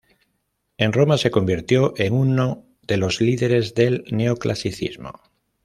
En Roma se convirtió en uno de los líderes del neoclasicismo.